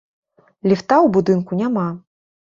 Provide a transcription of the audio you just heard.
Ліфта ў будынку няма.